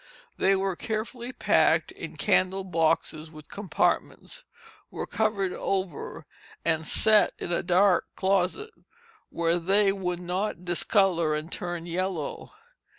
They were carefully packed in candle boxes with compartments; were covered over, and set in a dark closet, where they would not discolor and turn yellow.